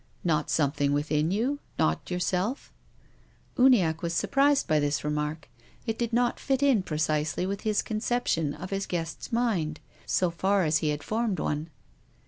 "" Not something within you ? Not yourself ?" Uniacke was surprised by this remark. It did not fit in precisely with his conception of his guest's mind, so far as he had formed one.